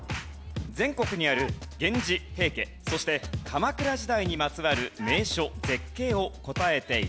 全国にある源氏平家そして鎌倉時代にまつわる名所・絶景を答えて頂きます。